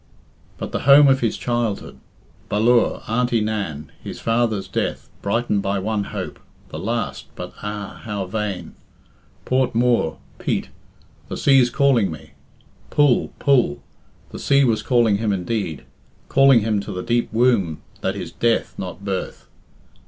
But the home of his childhood! Ballure Auntie Nan his father's death brightened by one hope the last, but ah! how vain! Port Mooar Pete, "The sea's calling me." Pull, pull! The sea was calling him indeed. Calling him to the deep womb that is death, not birth.